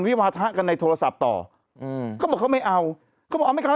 วิวาทะกันในโทรศัพท์ต่ออืมเขาบอกเขาไม่เอาเขาบอกเอาไม่เข้า